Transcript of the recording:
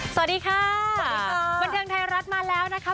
สวัสดีค่ะสวัสดีค่ะบันเทิงไทยรัฐมาแล้วนะคะ